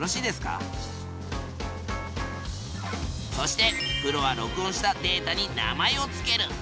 そしてプロは録音したデータに名前をつける。